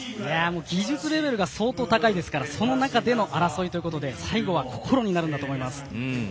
技術レベルが相当高いですからその中での争いということで最後は心になるんだと思います。